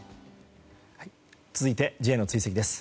続いて、Ｊの追跡です。